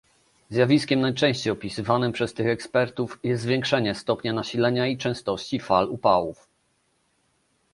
Zjawiskiem najczęściej opisywanym przez tych ekspertów jest zwiększenie stopnia nasilenia i częstości fal upałów